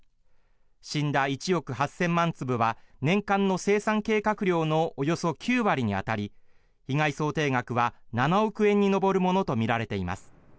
死んだ１億８０００万粒は年間の生産計画量のおよそ９割に当たり被害想定額は７億円に上るものとみられています。